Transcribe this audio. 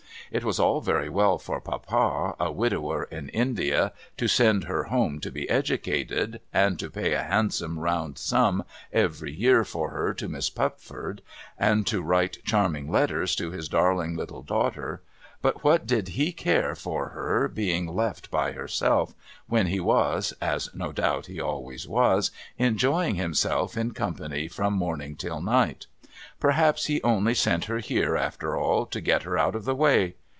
It was all very well for Papa, a widower in India, to send her home to be eduoitcd, and to pay a handsome round sum every year for her to Miss Pupford, and to write charming letters to his darling little daughter; but what did he care for her being left by herself, when he was (as no doubt he always was) enjoying himself in company from morning till night? Perhaps he only sent her here, after all, to get her out of the way.